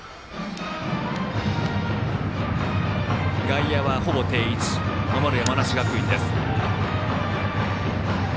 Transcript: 外野は、ほぼ定位置守る山梨学院です。